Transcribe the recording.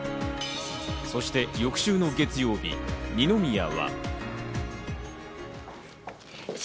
そして翌週の月曜日、二宮は。